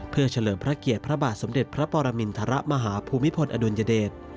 เพื่อเฉลิมพระเกียรติพระบาทสมเด็จพระปรมินทรมาฮภูมิพลอดุลยเดช